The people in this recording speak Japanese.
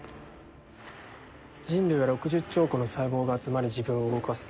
人類は６０兆個の細胞が集まり自分を動かす。